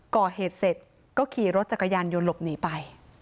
ก่อเหตุเสร็จก็ขี่รถจักรยานยนต์หลบหนีไป